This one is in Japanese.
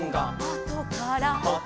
「あとから」